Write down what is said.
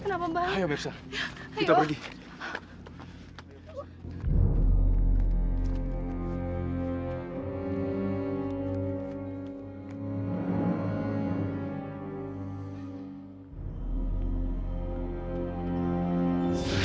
kepada si maha kehmaian